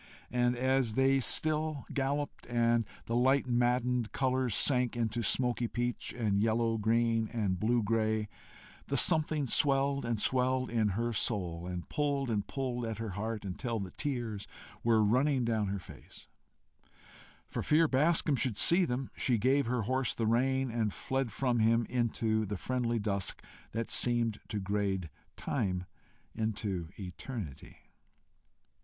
And as they still galloped, and the light maddened colours sank into smoky peach, and yellow green, and blue gray, the something swelled and swelled in her soul, and pulled and pulled at her heart, until the tears were running down her face: for fear Bascombe should see them, she gave her horse the rein, and fled from him into the friendly dusk that seemed to grade time into eternity.